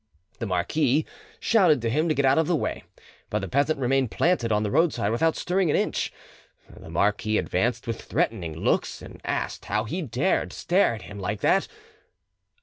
The marquis shouted to him to get out of the way; but the peasant remained planted on the roadside without stirring an inch. The marquis advanced with threatening looks, and asked how he dared to stare at him like that.